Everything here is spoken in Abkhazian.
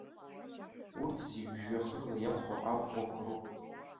Урҭ зегь жәҩахырла иалху аӷәӷәақәа роуп.